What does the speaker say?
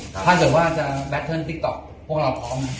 ถ้าเกิดว่าจะแบตเทิร์นติ๊กต๊อกพวกเราพร้อมไหม